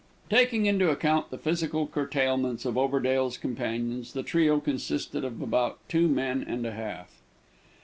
Taking into account the physical curtailments of Overdale's companions, the trio consisted of about two men and a half.